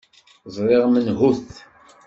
Ẓriɣ menhu-t.